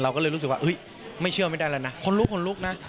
ก็เลยรู้สึกว่าไม่เชื่อไม่ได้แล้วนะคนลุกคนลุกนะ